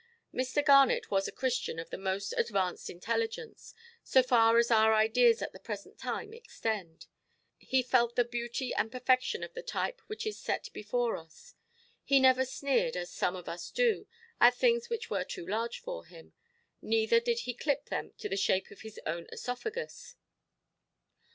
Mr. Garnet was a Christian of the most advanced intelligence, so far as our ideas at the present time extend. He felt the beauty and perfection of the type which is set before us. He never sneered, as some of us do, at things which were too large for him, neither did he clip them to the shape of his own œsophagus.